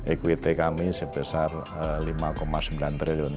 equity kami sebesar rp lima sembilan triliun